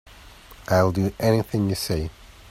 I'll do anything you say.